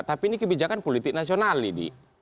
tapi ini kebijakan politik nasional ini